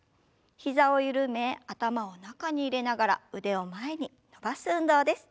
膝を緩め頭を中に入れながら腕を前に伸ばす運動です。